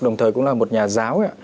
đồng thời cũng là một nhà giáo